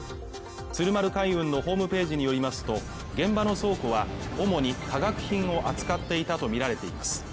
鶴丸海運のホームページによりますと現場の倉庫は主に化学品を扱っていたと見られています